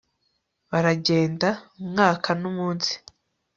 baragenda, umwaka n'umunsi